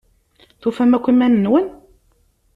Tufam akk iman-nwen?